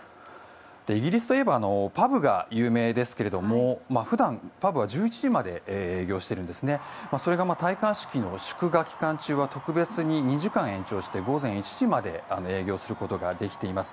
イギリスといえばパブが有名ですけれども普段、パブは１１時まで営業していますが戴冠式の祝賀期間中は延長して午前１時まで営業できています。